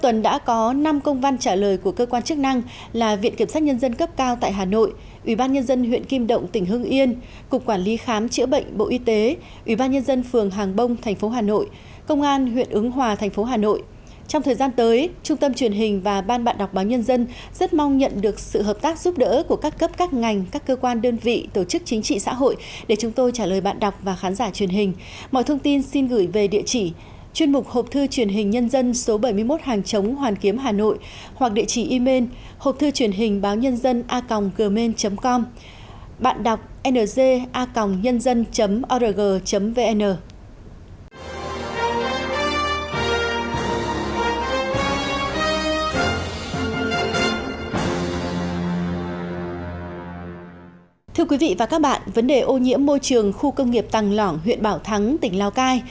thưa quý vị và các bạn vấn đề ô nhiễm môi trường khu công nghiệp tăng lỏng huyện bảo thắng tỉnh lao cai